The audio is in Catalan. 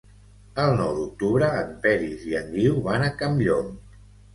El nou d'octubre en Peris i en Guiu van a Campllong.